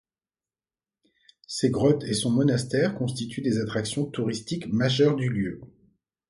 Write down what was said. Ses grottes et son monastère constituent des attractions touristiques majeures du lieu.